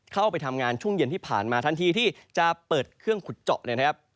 เข้าไปทำงานช่วงเย็นที่ผ่านมาทันทีที่จะเปิดเครื่องขุดเจาะเลยนะครับ